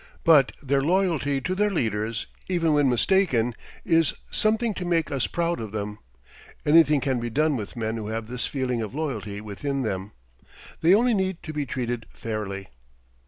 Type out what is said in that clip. But their loyalty to their leaders even when mistaken, is something to make us proud of them. Anything can be done with men who have this feeling of loyalty within them. They only need to be treated fairly.